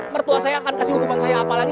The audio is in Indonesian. mertua saya akan kasih hukuman saya apa lagi